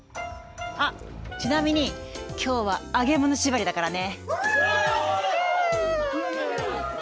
あちなみに今日は揚げ物縛りだからね！